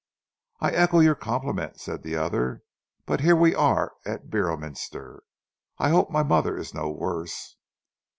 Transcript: "I echo your compliment," said the other, "but here we are at Beorminster. I hope my mother is no worse."